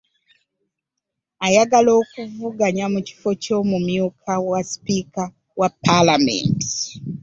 Ayagala okuvuganya ku kifo ky'omumyuka wa Sipiika wa palamenti